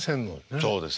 そうですね。